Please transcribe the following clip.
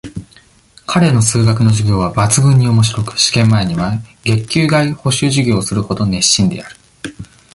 彼の数学の授業は、抜群に面白く、試験前には、月給外補習授業をするほど、熱心である。